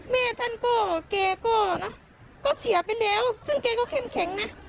แม่ท่านก็แกก็เสียไปแล้วซึ่งแกก็เข้มแข็งนะ